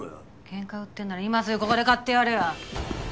ケンカ売ってんなら今すぐここで買ってやるよ！